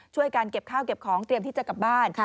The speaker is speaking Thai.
การเก็บข้าวเก็บของเตรียมที่จะกลับบ้าน